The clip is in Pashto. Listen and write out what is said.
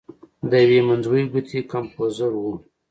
د یوې منځوۍ ګوتې کمپوزر و.